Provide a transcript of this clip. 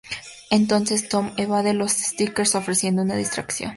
Entonces, Tom evade a los "Skitters", ofreciendo una distracción.